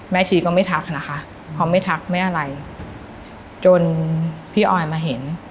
ชีก็ไม่ทักนะคะเขาไม่ทักไม่อะไรจนพี่ออยมาเห็น